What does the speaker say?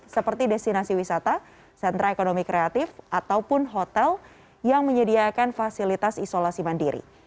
seperti destinasi wisata sentra ekonomi kreatif ataupun hotel yang menyediakan fasilitas isolasi mandiri